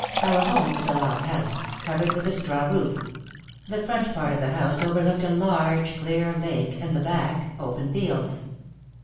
Our home was a log house, covered with a straw roof. The front part of the house overlooked a large clear lake, and the back, open fields.